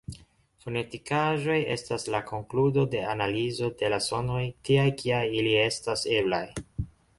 Fonetikaĵoj estas la konkludo de analizo de la sonoj tiaj kiaj ili estas eblaj.